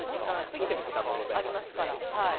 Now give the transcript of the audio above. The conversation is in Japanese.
過ぎてる時間もございますしね。